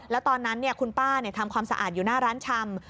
แล้วตอนนั้นคุณป้าทำความสะอาดอยู่หน้าร้านชำ